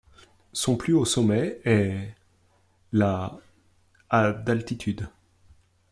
Son plus haut sommet est la à d'altitude.